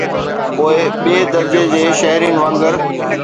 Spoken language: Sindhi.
پوءِ ٻئي درجي جي شهرين وانگر.